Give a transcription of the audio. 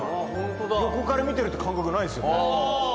横から見てるって感覚ないですよね。